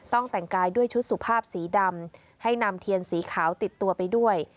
แต่งกายด้วยชุดสุภาพสีดำให้นำเทียนสีขาวติดตัวไปด้วย